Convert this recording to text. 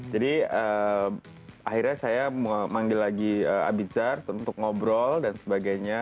jadi akhirnya saya memanggil lagi abizar untuk ngobrol dan sebagainya